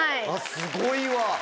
すごいわ！